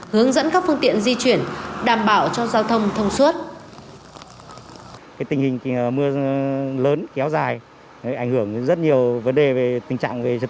hướng dẫn các phương tiện di chuyển đảm bảo cho giao thông thông suốt